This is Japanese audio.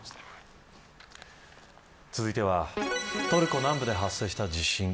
続いてはトルコ南部で発生した地震。